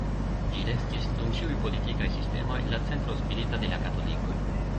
Ĝi restis, dum ĉiuj politikaj sistemoj, la centro spirita de la katolikoj.